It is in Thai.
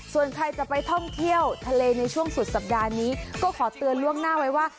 ส่วนใครจะไปท่องเที่ยวทะเลในช่วงสุดสัปดาห์นี้ก็ขอเตือนล่วงหน้าไว้ว่า